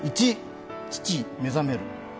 １、「父、目覚める」。